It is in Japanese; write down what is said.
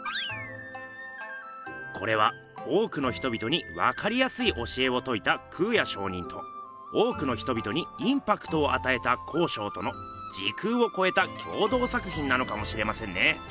これは多くの人々にわかりやすい教えをといた空也上人と多くの人々にインパクトをあたえた康勝との時空をこえた共同作品なのかもしれませんね。